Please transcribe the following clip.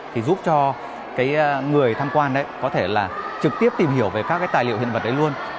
thì giúp cho cái người tham quan có thể là trực tiếp tìm hiểu về các cái tài liệu hiện vật đấy luôn